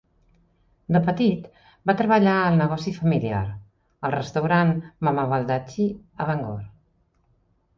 De petit, va treballar al negoci familiar, el restaurant Mama Baldacci a Bangor.